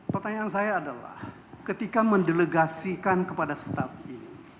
pertanyaan saya adalah ketika mendelegasikan kepada staf ini